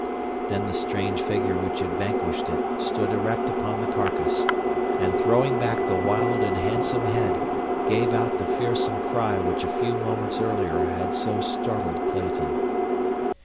Then the strange figure which had vanquished it stood erect upon the carcass, and throwing back the wild and handsome head, gave out the fearsome cry which a few moments earlier had so startled Clayton.